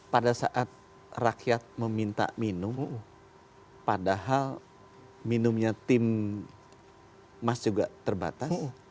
pada saat rakyat meminta minum padahal minumnya tim emas juga terbatas